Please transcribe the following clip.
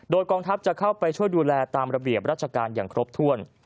โดยกองทัพจะเข้าไปช่วยดูแลตามระเบียบราชการอย่างครบถ้วน